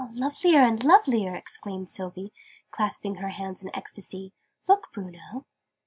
"Lovelier and lovelier!" exclaimed Sylvie, clasping her hands in ecstasy. "Look, Bruno!"